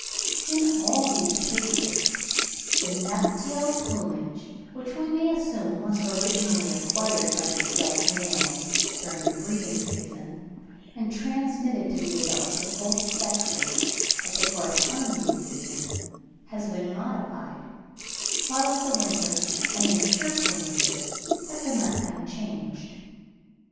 In all these cases, the nuptial plumage which we may assume was originally acquired by the adult males during the breeding season, and transmitted to the adults of both sexes at the corresponding season, has been modified, whilst the winter and immature plumages have been left unchanged.